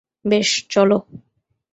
বেশ, চলো।